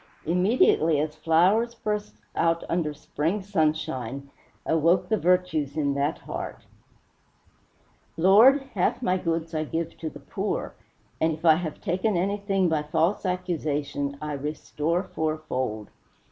Immediately, as flowers burst out under spring sunshine, awoke the virtues in that heart: "Lord, half my goods I give to the poor, and if I have taken anything by false accusation I restore fourfold."